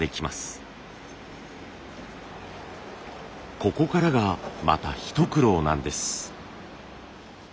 ここからがまた一苦労なんです。